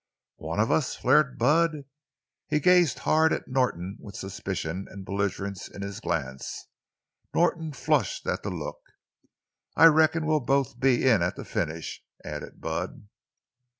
"One of us?" flared Bud. He gazed hard at Norton, with suspicion and belligerence in his glance. Norton flushed at the look. "I reckon we'll both be in at the finish," added Bud.